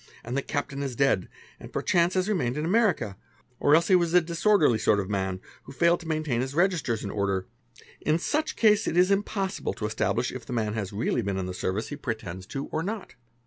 and th captain is dead, or perchance has remained in America, or else he was disorderly sort of man who failed to maintain his registers in order, I such case it is impossible to establish if the man has really been in th service he pretends to or not.